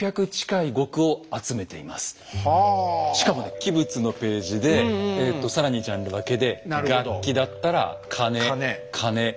しかもね器物のページでえと更にジャンル分けで「楽器」だったら「鐘」「鉦」「琴」「笛」。